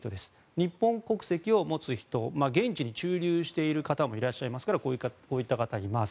日本国籍を持つ人現地に駐留している方もいらっしゃいますからこういった方がいます。